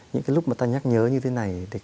những cái lúc mà ta nhắc nhớ như thế này